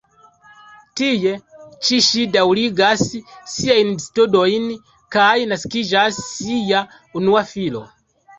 Tie ĉi ŝi daŭrigas siajn studojn kaj naskiĝas ŝia unua filo.